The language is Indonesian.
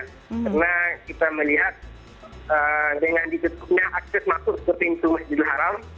karena kita melihat dengan diketuknya akses masuk ke pintu masjidil haram